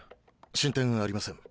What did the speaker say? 進展ありません。